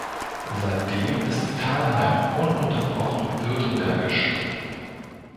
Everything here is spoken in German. Seitdem ist Talheim ununterbrochen württembergisch.